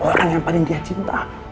orang yang paling dia cinta